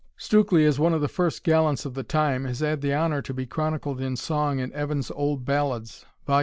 Stukely, as one of the first gallants of the time, has had the honour to be chronicled in song, in Evans' Old Ballads, vol.